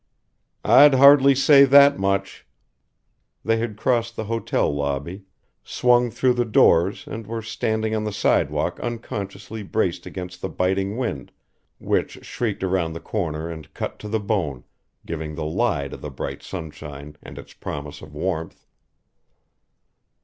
"I'd hardly say that much " They had crossed the hotel lobby, swung through the doors and were standing on the sidewalk unconsciously braced against the biting wind which shrieked around the corner and cut to the bone, giving the lie to the bright sunshine and its promise of warmth.